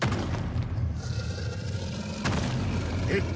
えっ？